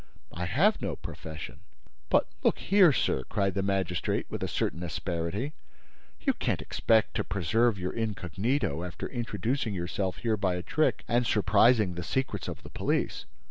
"I have no profession." "But look here, sir," cried the magistrate, with a certain asperity, "you can't expect to preserve your incognito after introducing yourself here by a trick and surprising the secrets of the police!"